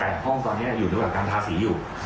แต่ห้องตอนนี้อยู่ระหว่างการทาสีอยู่